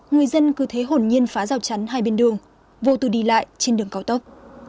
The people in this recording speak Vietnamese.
người dân cứ thế hồn nhiên phá rào chắn hai bên đường vô tư đi lại trên đường cao tốc